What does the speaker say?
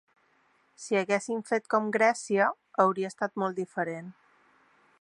Si haguéssim fet com Grècia, hauria estat molt diferent.